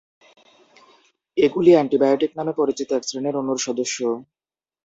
এগুলি অ্যান্টিবায়োটিক নামে পরিচিত এক শ্রেণির অণুর সদস্য।